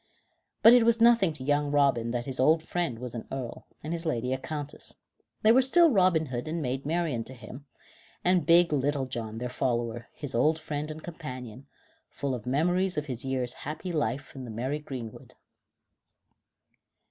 But it was nothing to young Robin then that his old friend was an earl, and his lady a countess; they were still Robin Hood and Maid Marian to him, and big Little John, their follower, his old friend and companion, full of memories of his year's happy life in the Merry Greenwood.